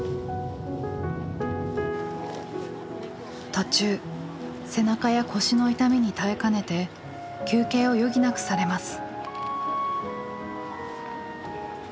途中背中や腰の痛みに耐えかねて休憩を余儀なくされます。